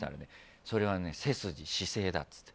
それは背筋、姿勢だって。